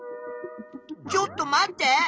ちょっと待って！